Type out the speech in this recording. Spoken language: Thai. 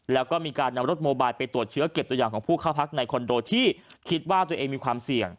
แล้วก็มีการนำรถโมบายไปตรวจเชื้อเก็บตัวอย่างของผู้เข้าพักในคอนโดที่คิดว่าตัวเองมีความเสี่ยง